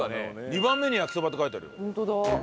２番目にやきそばって書いてあるよ。